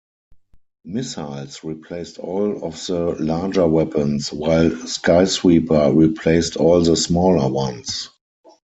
Missiles replaced all of the larger weapons, while Skysweeper replaced all the smaller ones.